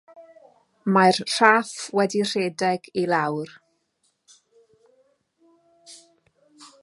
Mae'r rhaff wedi rhedeg i lawr.